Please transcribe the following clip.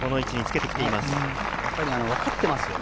やっぱりわかっていますよね。